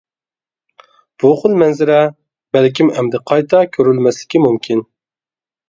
بۇ خىل مەنزىرە بەلكىم ئەمدى قايتا كۆرۈلمەسلىكى مۇمكىن.